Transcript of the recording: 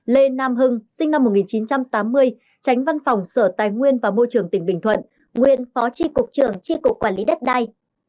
năm lê nam hưng sinh năm một nghìn chín trăm tám mươi tránh văn phòng sở tài nguyên và môi trường tỉnh bình thuận nguyên phó tri cục trường tri cục quản lý đất đai